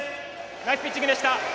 ナイスピッチングでした。